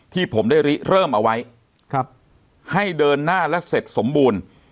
ที่ผมได้ริเริ่มเอาไว้ให้เดินหน้าและเสร็จสมบูรณ์